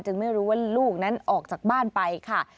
ไม่รู้ว่าลูกนั้นออกจากบ้านไปค่ะ